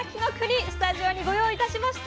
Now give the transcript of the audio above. スタジオにご用意いたしました。